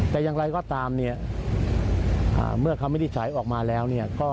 แต่อย่างไรก็ตามเมื่อศาลวินิจฉัยออกมาแล้ว